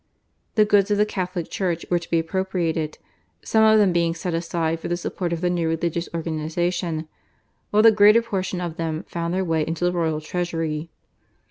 The goods of the Catholic Church were to be appropriated, some of them being set aside for the support of the new religious organisation, while the greater portion of them found their way into the royal treasury.